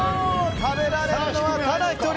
食べられるのは、ただ一人！